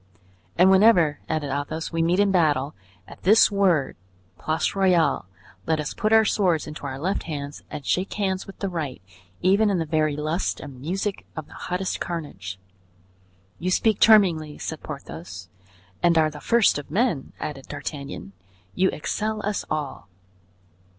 "And whenever," added Athos, "we meet in battle, at this word, 'Place Royale!' let us put our swords into our left hands and shake hands with the right, even in the very lust and music of the hottest carnage." "You speak charmingly," said Porthos. "And are the first of men!" added D'Artagnan. "You excel us all."